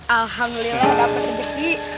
alhamdulillah dapet rezeki